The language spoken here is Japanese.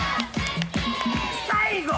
最後！